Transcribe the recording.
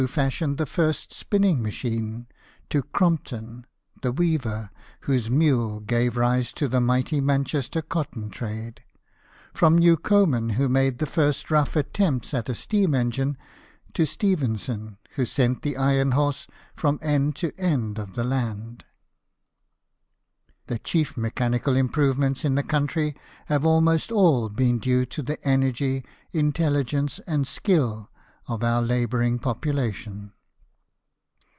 fashioned the first spinning machine, to Cromp ton the weaver, whose mule gave rise to the mighty Manchester cotton trade ; from New comen, who made the first rough attempt at a steam engine, to Stephenson, who sent the iron horse from end to end of the land, the chief mechanical improvements in the country have almost all been due to the energy, intelligence, and skill of our labouring population.